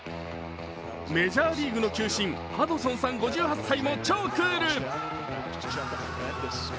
メジャーリーグの球審ハドソンさんも超クール。